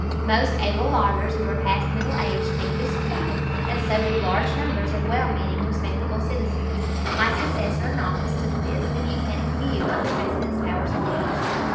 Most able lawyers who are past middle age take this view, and so do large numbers of well meaning, respectable citizens. My successor in office took this, the Buchanan, view of the President's powers and duties.